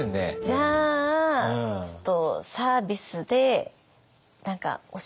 じゃあちょっとサービスで何かおしんことか。